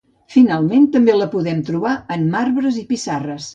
Finalment també la podem trobar en marbres i pissarres.